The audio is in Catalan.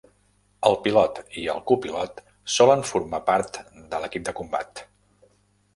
El pilot i el copilot solen formar part de l'equip de combat.